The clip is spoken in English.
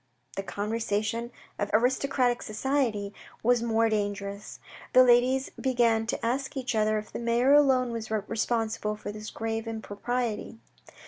The conversation of aristocratic society was more dangerous. The ladies began to ask each other if the mayor alone was responsible for this grave impropriety.